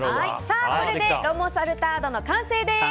これでロモサルタードの完成です！